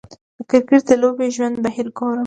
د کریکټ د لوبې ژوندی بهیر ګورم